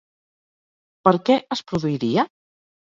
Per què es produiria?